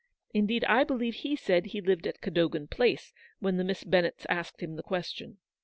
Indeed, I believe he said he lived in Cadogan Place, when the Miss Bennetts asked him the question.